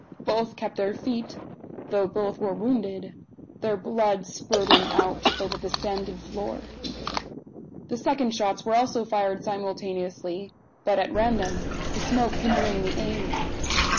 Both kept their feet, though both were wounded their blood spurting out over the sanded floor. The second shots were also fired simultaneously, but at random, the smoke hindering the aim.